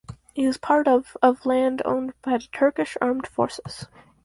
It is part of of land owned by the Turkish Armed Forces.